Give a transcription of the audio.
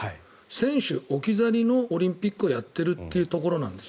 選手置き去りのオリンピックをやっているというところなんです。